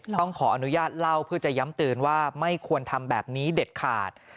ต้องขออนุญาตเล่าเพื่อจะย้ำเตือนว่าไม่ควรทำแบบนี้เด็ดขาด